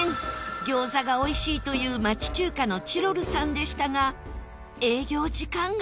餃子がおいしいという町中華の智路留さんでしたが営業時間外！